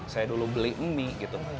saya dulu beli mie gitu